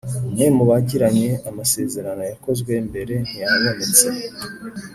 Umwe mu bagiranye amasezerano yakozwe mbere ntiyabonetse